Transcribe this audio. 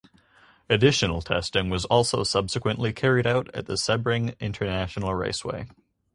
Additional testing was also subsequently carried out at the Sebring International Raceway.